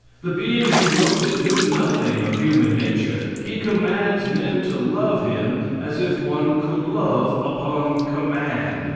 The being who wrote it knew nothing of human nature; He commands men to love Him, as if one could love upon command.